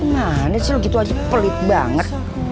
mana sih lu gitu aja pelit banget